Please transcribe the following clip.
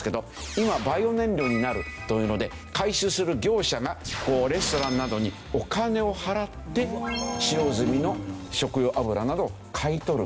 今はバイオ燃料になるというので回収する業者がレストランなどにお金を払って使用済みの食用油などを買い取る。